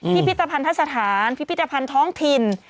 พิพิธภัณฑสถานพิพิธภัณฑ์ท้องถิ่น